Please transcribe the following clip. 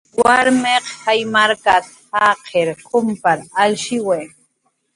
"Warmiq jaymarkat"" jaqir qumpar alshiwi"